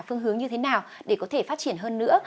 phương hướng như thế nào để có thể phát triển hơn nữa